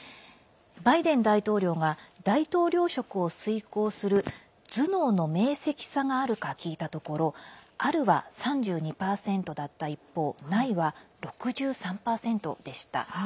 バイデン大統領が大統領職を遂行する頭脳の明せきさがあるか聞いたところあるは３２％だった一方ないは６３％でした。